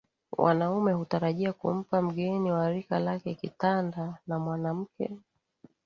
Wanaume hutarajiwa kumpa mgeni wa rika lake kitanda na mwanamke